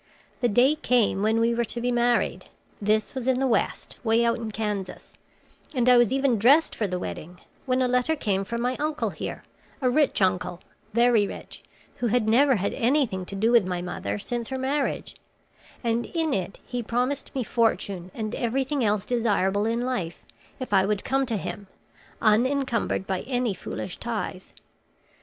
The day came when we were to be married this was in the West, way out in Kansas and I was even dressed for the wedding, when a letter came from my uncle here, a rich uncle, very rich, who had never had anything to do with my mother since her marriage, and in it he promised me fortune and everything else desirable in life if I would come to him, unencumbered by any foolish ties.